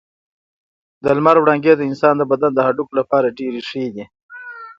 د لمر وړانګې د انسان د بدن د هډوکو لپاره ډېرې ښې دي.